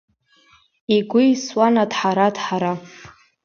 Игәы еисуан аҭҳара-ҭҳара…